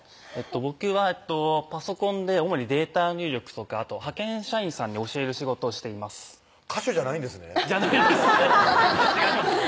僕はパソコンで主にデータ入力とかあと派遣社員さんに教える仕事をしています歌手じゃないんですねじゃないです違います